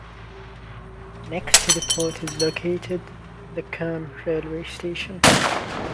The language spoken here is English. Next to the port is located the Krym railway station.